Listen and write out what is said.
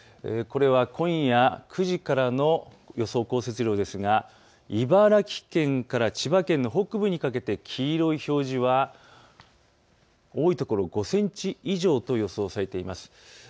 これは今夜９時からの予想降雪量ですが茨城県から千葉県の北部にかけて黄色い表示は多い所５センチ以上と予想されています。